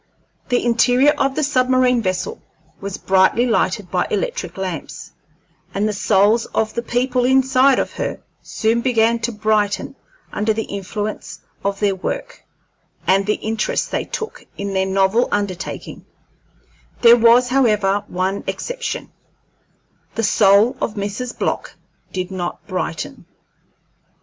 The interior of the submarine vessel was brightly lighted by electric lamps, and the souls of the people inside of her soon began to brighten under the influence of their work and the interest they took in their novel undertaking; there was, however, one exception the soul of Mrs. Block did not brighten.